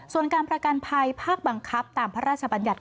ส่วนการประกันภัยภาคบังคับตามพระราชบัญญัติ